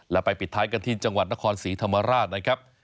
แล้วไปปิดท้ายกันที่จังหวัดนครศรีธรรมราชนะครับ